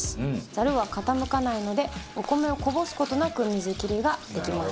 ザルは傾かないのでお米をこぼす事なく水切りができます。